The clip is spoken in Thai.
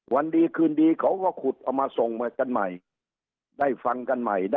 วันดีคืนดีเขาก็ขุดเอามาส่งมากันใหม่